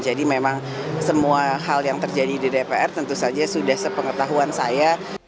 jadi memang semua hal yang terjadi di dpr tentu saja sudah sepengetahuan saya